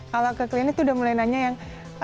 kalau ke klinik tuh udah mulai nanya yang